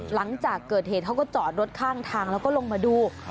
หลังจากเกิดเหตุเขาก็จอดรถข้างทางแล้วก็ลงมาดู